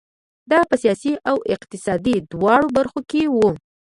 دا په سیاسي او اقتصادي دواړو برخو کې وو.